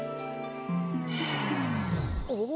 おっ？